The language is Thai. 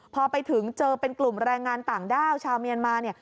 พอไปถึงเจอเป็นกลุ่มแรงงานต่างด้าวชาวเมียนมาเนี่ย